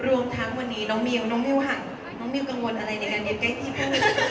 รวมทั้งวันนี้น้องมิลน้องมิลห่างน้องมิลกังวลอะไรในการเย็บใจที่พูด